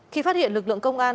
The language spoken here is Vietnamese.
khi phát hiện lực lượng công an